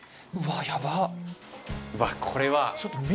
うわこれは。